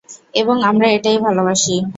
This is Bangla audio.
এবং আমরা এটাই ভালোবাসি।